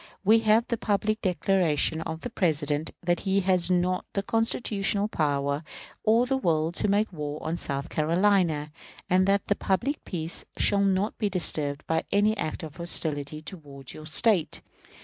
We have the public declaration of the President that he has not the constitutional power or the will to make war on South Carolina, and that the public peace shall not be disturbed by any act of hostility toward your State.